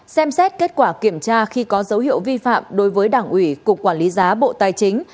xem xét kết quả kiểm tra khi có dấu hiệu vi phạm đối với đảng ủy cục quản lý giá bộ tài chính